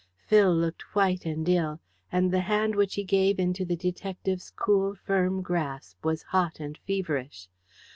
Phil looked white and ill, and the hand which he gave into the detective's cool firm grasp was hot and feverish.